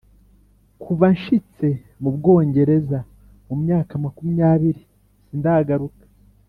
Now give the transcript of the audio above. kuva nshitse mu bwongereza mu myaka makumyabiri sindagaruka